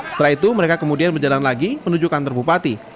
setelah itu mereka kemudian berjalan lagi menuju kantor bupati